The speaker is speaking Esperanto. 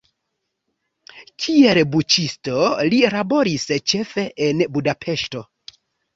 Kiel buĉisto li laboris ĉefe en Budapeŝto.